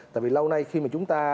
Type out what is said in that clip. tại vì lâu nay khi mà chúng ta